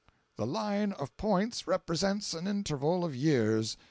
The line of points represents an interval of years.